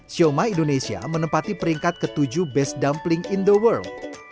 sioma indonesia menempati peringkat ke tujuh best dumpling in the world